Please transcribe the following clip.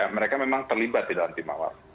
mereka memang terlibat di dalam tim awal